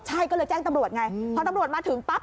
ใช่ก็เลยแจ้งตำรวจไงพอตำรวจมาถึงปั๊บ